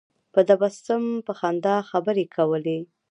په تبسم په خندا خبرې کولې.